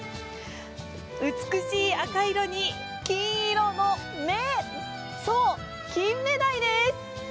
美しい赤色に金色の目、そう、キンメダイです。